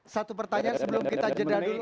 satu pertanyaan sebelum kita jeda dulu